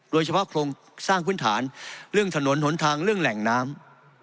โครงสร้างพื้นฐานเรื่องถนนหนทางเรื่องแหล่งน้ำ